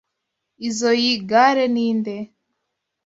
Izoi gare ninde?